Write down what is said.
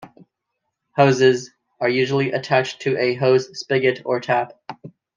Hoses are usually attached to a hose spigot or tap.